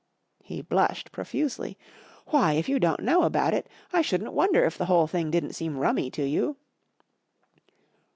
" He blushed profusely. "Why, if you don't know about it, I shouldn't wonder if the whole thing didn't seem rummy to you."